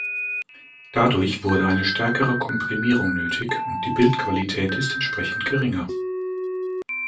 Dadurch wurde eine stärkere Komprimierung nötig und die Bildqualität ist entsprechend geringer.